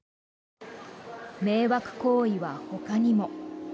迷惑行為はほかにも。